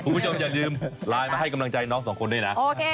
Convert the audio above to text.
คุณผู้ชมอย่าลืมไลน์มาให้กำลังใจน้องสองคนด้วยนะ